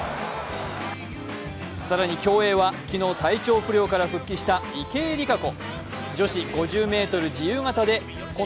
更に競泳は、昨日、体調不良から復帰した池江璃花子。